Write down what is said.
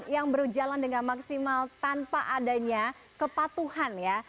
yang berjalan dengan maksimal tanpa adanya kepatuhan ya